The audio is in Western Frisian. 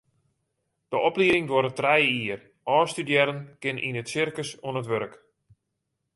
De oplieding duorret trije jier, ôfstudearren kinne yn it sirkus oan it wurk.